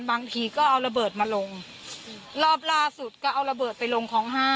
บางทีก็เอาระเบิดมาลงรอบล่าสุดก็เอาระเบิดไปลงของห้า